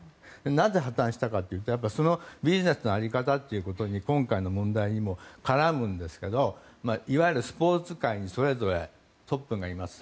なぜ破綻したかというとそのビジネスの在り方ということに今回の問題にも絡むんですがいわゆるスポーツ界にそれぞれトップがいます。